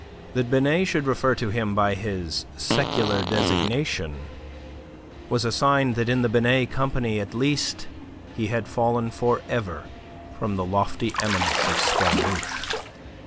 That Binet should refer to him by his secular designation was a sign that in the Binet company at least he had fallen for ever from the lofty eminence of Scaramouche.